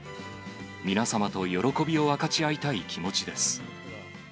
皆様と喜びを分かち合いたい気持ちです。